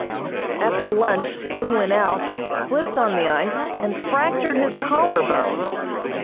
After lunch M. went out, slipped on the ice and fractured his collar bone.